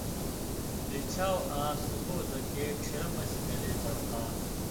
رِچھاٶ آ سُگو زکے چھیرہ مژ گلے بڑقا